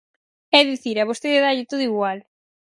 É dicir, a vostede dálle todo igual.